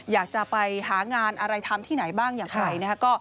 อยากจะไปหางานอะไรทำที่ไหนบ้างอย่างไรนะคะ